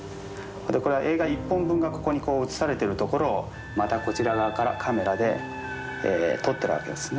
これは映画一本分がここにこう映されてるところをまたこちら側からカメラで撮ってるわけですね。